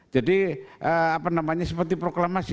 jadi apa namanya seperti proklamasi